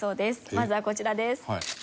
まずはこちらです。